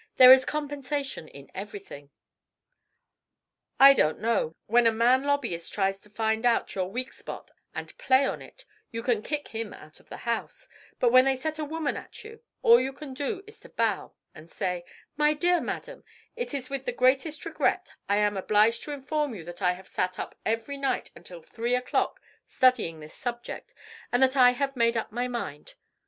There is compensation in everything." "I don't know. When a man lobbyist tries to find out your weak spot and play on it, you can kick him out of the house, but when they set a woman at you, all you can do is to bow and say: 'My dear madam, it is with the greatest regret I am obliged to inform you that I have sat up every night until three o'clock studying this subject, and that I have made up my mind.'